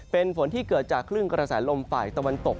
เป็นฝนที่เกิดจากคลื่นกระแสลมฝ่ายตะวันตก